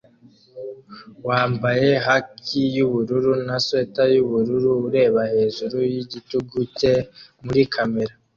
wambaye hankie yubururu na swater yubururu ureba hejuru yigitugu cye muri kamera